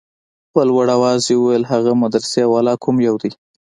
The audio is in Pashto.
په لوړ اواز يې وويل هغه مدرسې والا کوم يو دى.